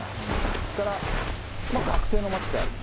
それから、学生の街であると。